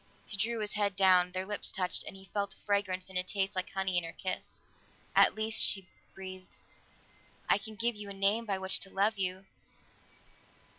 She drew his head down; their lips touched, and he felt a fragrance and a taste like honey in her kiss. "At least," she breathed. "I can give you a name by which to love you.